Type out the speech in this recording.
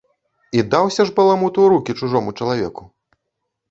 І даўся ж баламут у рукі чужому чалавеку!